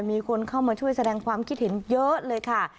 มีคนเข้ามาช่วยแสดงความคิดเห็นเยอะเลยค่ะ